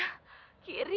aduh gue lupa lagi